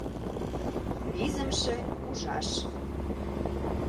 ВИЗЫМШЕ УЖАШ